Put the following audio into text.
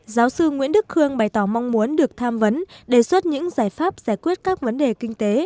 giáo sư nguyễn đức khương bày tỏ mong muốn được tham vấn đề xuất những giải pháp giải quyết các vấn đề kinh tế